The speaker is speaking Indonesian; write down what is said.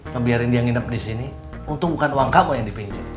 ngebiarin dia nginep di sini untung bukan uang kamu yang dipingin